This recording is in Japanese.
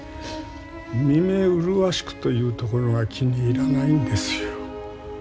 「みめ美わしく」というところが気に入らないんですよ。